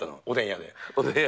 おでん屋で。